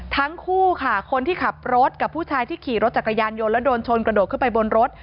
ทั้งคู่ค่ะคนที่ขับรถกับผู้ชายที่ขี่รถจักรยานยนต์แล้วโดนชนกระโดดขึ้นไปบนรถ